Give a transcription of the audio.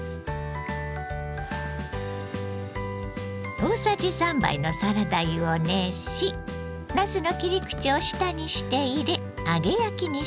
大さじ３杯のサラダ油を熱しなすの切り口を下にして入れ揚げ焼きにします。